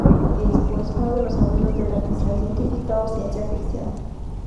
Es, pues, uno de los abuelos de la ficción científica o Ciencia ficción.